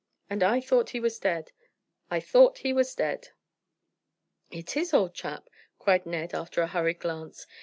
And I thought he was dead I thought he was dead!" "It is, old chap," cried Ned, after a hurried glance.